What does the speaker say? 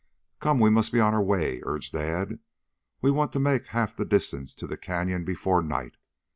"Come, we must be on our way," urged Dad. "We want to make half the distance to the Canyon before night.